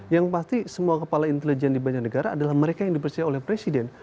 yang pasti semua kepala intelijen di banyak negara adalah mereka yang dipercaya oleh presiden